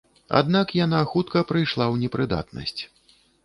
Аднак яна хутка прыйшла ў непрыдатнасць.